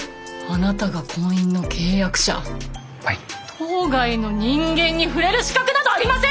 島外の人間に触れる資格などありません！